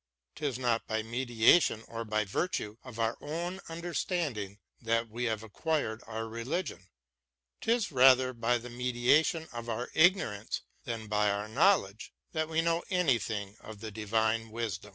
... 'Tis not by meditation or by virtue of our ovra understanding that we have acqiured our reUgion ... 'tis rather by the media tion of our ignorance than of our knowledge that we know any thing of the divine Wisdom.